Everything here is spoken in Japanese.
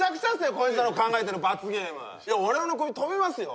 こいつらの考えてる罰ゲーム俺のクビ飛びますよ